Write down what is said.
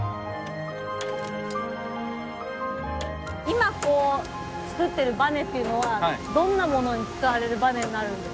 今こう作ってるバネっていうのはどんなものに使われるバネになるんですか？